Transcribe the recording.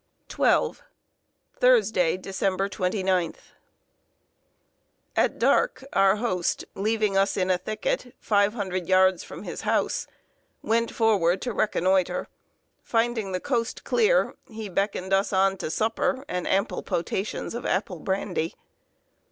XII. Thursday, December 29. At dark, our host, leaving us in a thicket, five hundred yards from his house, went forward to reconnoiter. Finding the coast clear, he beckoned us on to supper and ample potations of apple brandy.